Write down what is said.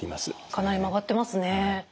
かなり曲がってますね。